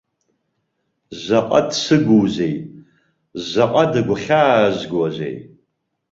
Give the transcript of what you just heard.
Заҟа дсыгузеи, заҟа дыгәхьаазгозеи!